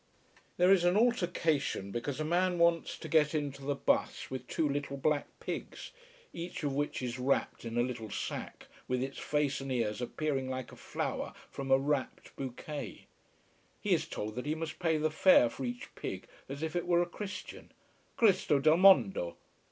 There is an altercation because a man wants to get into the bus with two little black pigs, each of which is wrapped in a little sack, with its face and ears appearing like a flower from a wrapped bouquet. He is told that he must pay the fare for each pig as if it were a Christian. _Cristo del mondo!